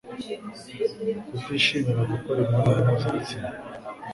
Kutishimira gukora imibonano mpuza bitsina